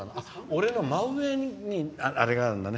俺の真上にあれがあるんだね。